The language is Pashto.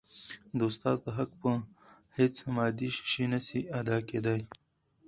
د استاد د حق په هيڅ مادي شي نسي ادا کيدای.